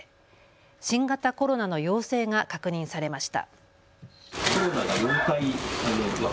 新型コロナの陽性が確認されました。